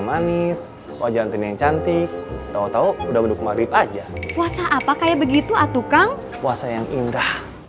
sampai jumpa di video selanjutnya